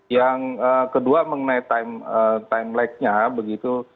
yang kedua mengenai time lag nya begitu